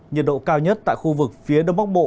nhiệt độ cao nhất tại khu vực phía đông bắc bộ